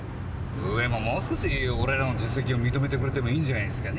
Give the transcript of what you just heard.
上ももう少し俺らの実績を認めてくれてもいいじゃないすかね。